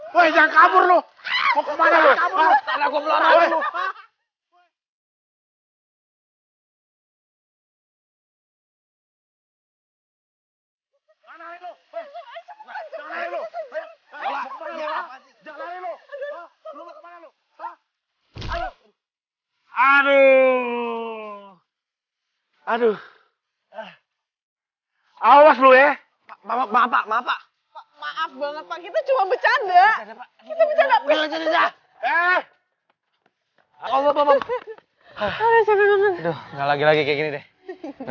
hai aduh awas lu ya bapak bapak maaf banget kita cuma bercanda bercanda